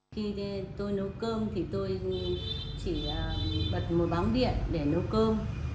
chỉ bật một bóng điện để nấu cơm